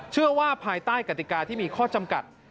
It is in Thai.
เชื่อว่าภายใต้กติกาที่มีข้อจำกัด